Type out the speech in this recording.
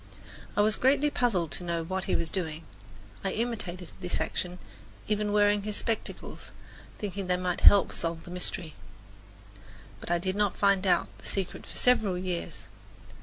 I was greatly puzzled to know what he was doing. I imitated this action, even wearing his spectacles, thinking they might help solve the mystery. But I did not find out the secret for several years.